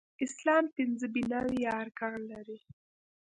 اسلام پنځه بناوې يا ارکان لري